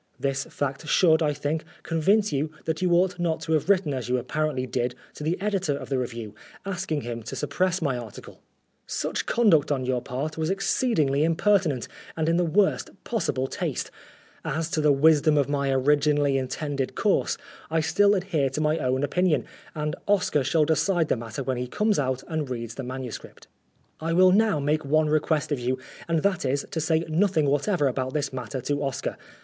This fact should, I think, convince you that you ought not to have written as you apparently did to the editor of the Review, asking him to suppress my article. Such conduct on your part was exceedingly impertinent and in the 205 Oscar Wilde worst possible taste. As to the wisdom of my originally intended course, I still adhere to my own opinion, and Oscar shall decide the matter when he comes out and reads the MS. I will now make one request of you, and that is, to say nothing whatever about this matter to Oscar.